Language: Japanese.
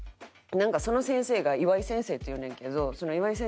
その先生が岩井先生っていうねんけどその岩井先生